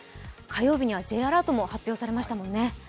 火曜日にはＪアラートも出ましたもんね。